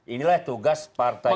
inilah tugas partai ini